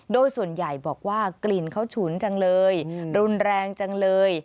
โดยส่วนใหญ่บอกว่ากลิ่นเขาฉุนจังเลยรุนแรงจังเลย